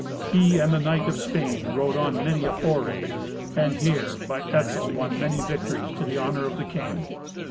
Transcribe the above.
He and the knight of Spain rode on many a foray, and here, by Etzel, won many victories to the honour of the king.